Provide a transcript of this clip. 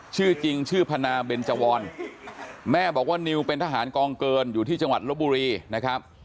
ชื่อจริงชื่อพนาเบนเจวรแม่บอกว่านิวเป็นทหารกองเกินอยู่ที่จังหวัดลบบุรีนะครับ